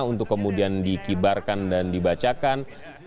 untuk kemudian dikibarkan dan dibacakan